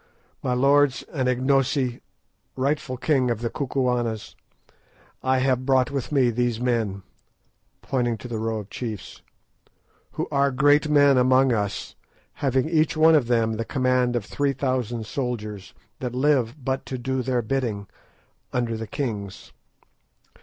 My lords and Ignosi, rightful king of the Kukuanas, I have brought with me these men," pointing to the row of chiefs, "who are great men among us, having each one of them the command of three thousand soldiers, that live but to do their bidding, under the king's.